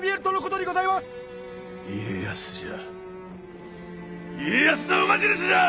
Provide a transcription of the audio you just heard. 家康じゃ家康の馬印じゃ！